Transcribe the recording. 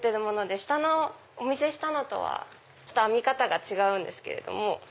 下のお見せしたのとは編み方が違うんですけれども。